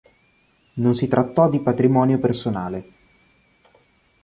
Non si trattò di patrimonio personale.